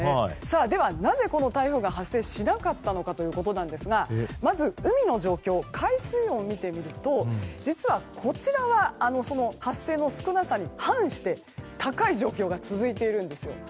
なぜ台風が発生しなかったかというとまず、海の状況海水温を見てみると実は、こちらは発生の少なさに反して高い状況が続いているんです。